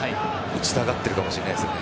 打ちたがっているかもしれないですね。